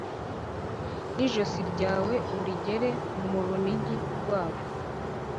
n'ijosi ryawe urigere mu runigi rwabwo